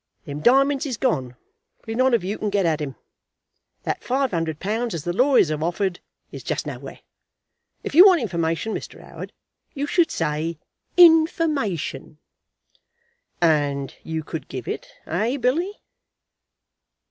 "Them diamonds is gone where none of you can get at 'em. That five hundred pounds as the lawyers 'ave offered is just nowhere. If you want information, Mr. 'Oward, you should say information." "And you could give it; eh, Billy?"